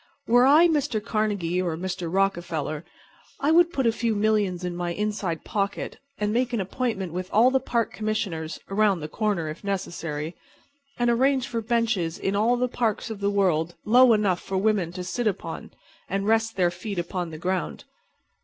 Were I Mr. Carnegie or Mr. Rockefeller I would put a few millions in my inside pocket and make an appointment with all the Park Commissioners (around the corner, if necessary), and arrange for benches in all the parks of the world low enough for women to sit upon, and rest their feet upon the ground.